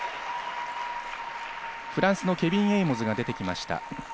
フランスのケビン・エイモズが出てきました。